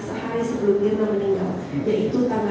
agar sebelum sidang ini ditutup